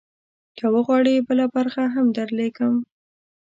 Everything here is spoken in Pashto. که وغواړې، بله برخه هم درولیږم.